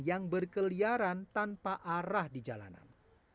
yang berkeliaran tanpa arah di jalanan